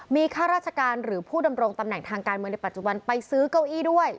มีข้าราชการหรือผู้ดำรงตำแหน่งทางการเมืองในปัจจุบันไปซื้อเก้าอี้ด้วย